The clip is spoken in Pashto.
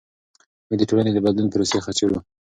موږ د ټولنې د بدلون پروسې څیړو.